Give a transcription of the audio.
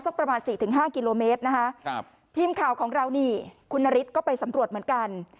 ประมาณสี่ถึงห้ากิโลเมตรนะคะครับทีมข่าวของเรานี่คุณนฤทธิก็ไปสำรวจเหมือนกัน